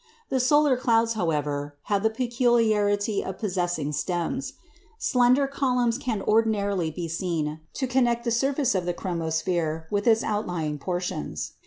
The solar clouds, however, have the peculiarity of possessing stems. Slender columns can ordinarily be seen to connect the surface of the chromosphere with its outlying portions.